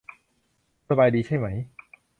คุณสบายดีใช่มั้ย ?